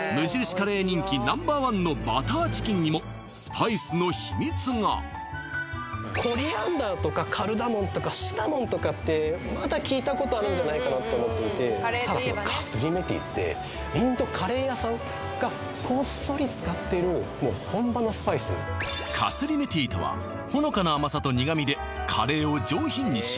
カレー人気Ｎｏ．１のバターチキンにもスパイスの秘密がコリアンダーとかカルダモンとかシナモンとかってまだ聞いたことあるんじゃないかなと思っていてただこのカスリメティってインドカレー屋さんがこっそり使ってるもう本場のスパイスカスリメティとはほのかな甘さと苦味でカレーを上品にし